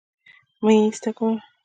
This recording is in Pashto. مه يې ايسته کوه